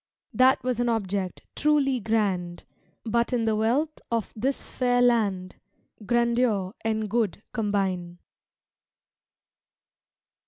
That was an object truly grand, But in the wealth of this fair land Grandeur and good combine.